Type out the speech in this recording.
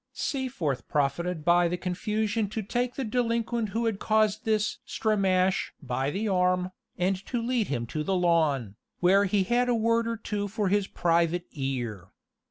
Seaforth profited by the confusion to take the delinquent who had caused this "stramash" by the arm, and to lead him to the lawn, where he had a word or two for his private ear.